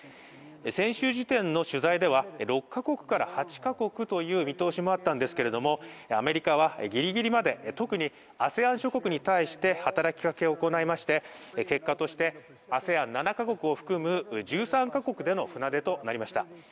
先週時点の取材では６カ国から８カ国という見通しもあったんですが、アメリカはギリギリまで、特にＡＳＥＡＮ諸国に対して働きかけを行いまして、結果としてＡＳＥＡＮ７カ国を含む１３カ国での船出となりました。